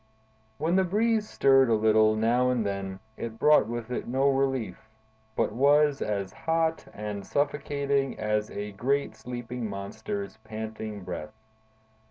When the breeze stirred a little now and then, it brought with it no relief, but was as hot and suffocating as a great sleeping monster's panting breath.